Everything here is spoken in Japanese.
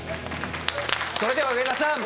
それでは上田さん！